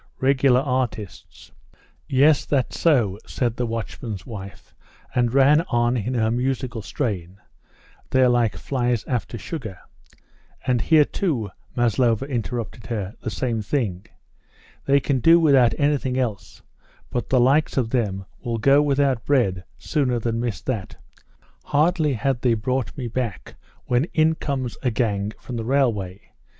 "Regular artists." "Yes, that's so," said the watchman's wife, and ran on in her musical strain, "they're like flies after sugar." "And here, too," Maslova interrupted her, "the same thing. They can do without anything else. But the likes of them will go without bread sooner than miss that! Hardly had they brought me back when in comes a gang from the railway.